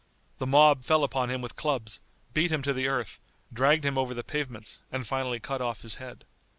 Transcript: The mob fell upon him with clubs, beat him to the earth, dragged him over the pavements, and finally cut off his head.